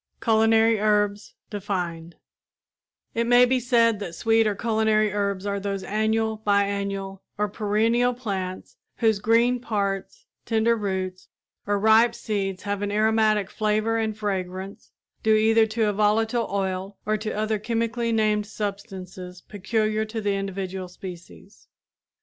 CULINARY HERBS DEFINED It may be said that sweet or culinary herbs are those annual, biennial or perennial plants whose green parts, tender roots or ripe seeds have an aromatic flavor and fragrance, due either to a volatile oil or to other chemically named substances peculiar to the individual species.